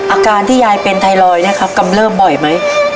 อาการที่ยายเป็นไทรอยด์นะครับกำเริบบ่อยไหม